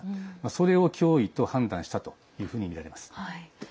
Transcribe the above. それを脅威と判断したというふうにみられます。